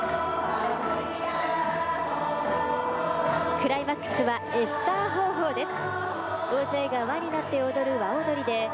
クライマックスはエッサーホーホーです。